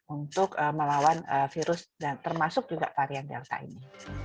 untuk melawan virus dan termasuk juga varian delta ini